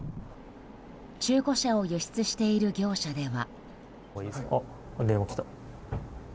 中古車を輸出している業者では。